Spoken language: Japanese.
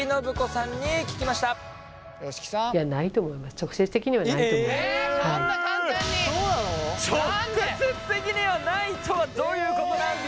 直接的にはないとはどういうことなんでしょう？